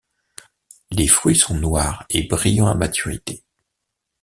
Les fruits sont noir et brillant à maturité.